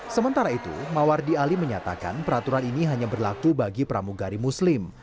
sementara itu mawardi ali menyatakan peraturan ini hanya berlaku bagi pramugari muslim